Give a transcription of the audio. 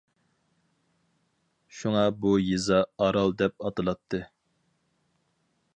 شۇڭا بۇ يېزا ئارال دەپ ئاتىلاتتى.